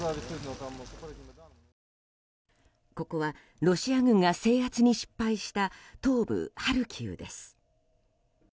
ここはロシア軍が制圧に失敗した東部ハルキウです。